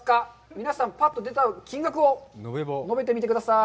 皆さん、ぱっと出た金額を述べてみてください。